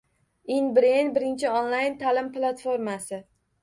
In Brain — birinchi onlayn ta’lim platformasi